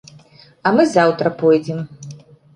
А мы заўтра пойдзем.